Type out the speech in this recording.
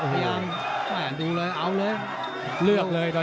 พยายามดึงเลยเอาเลยเลือกเลยตอนนี้